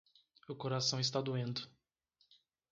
O coração está doendo.